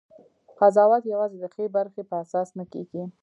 قضاوت یوازې د ښې برخې په اساس نه کېږي.